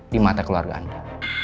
di mata keluarga anda